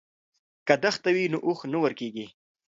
که دښته وي نو اوښ نه ورکیږي.